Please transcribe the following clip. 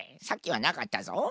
さっきはなかったぞ。